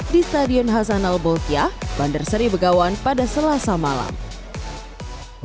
di stadion hasanal bolkiah bandar seri begawan pada selasa malam